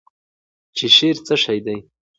چې شعر څه شی دی؟